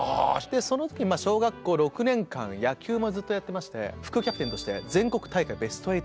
その時小学校６年間野球もずっとやってまして副キャプテンとして全国大会ベスト８。